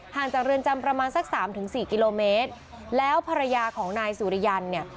จากเรือนจำประมาณสักสามถึงสี่กิโลเมตรแล้วภรรยาของนายสุริยันเนี่ย